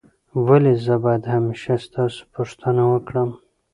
ولي زه باید همېشه ستاسو پوښتنه وکړم؟